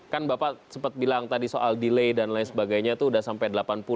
kan bapak sempat bilang tadi soal delay dan lain sebagainya itu sudah sampai delapan puluh